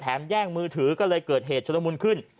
แย่งมือถือก็เลยเกิดเหตุชุลมุนขึ้น